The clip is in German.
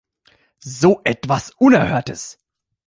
So etwas Unerhörtes!